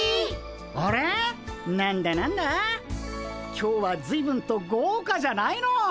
今日はずいぶんとごうかじゃないの！